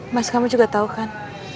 mas kamu juga tahu kan